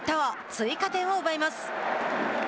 追加点を奪います。